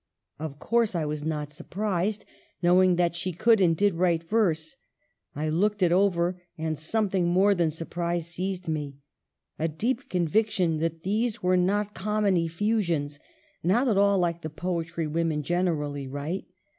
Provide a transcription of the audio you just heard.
Of course I was not surprised, knowing that she could and did write verse. I looked it over, and something more than surprise seized me, — a deep conviction that these were not common effusions, not at all like the poetry women gener ally write.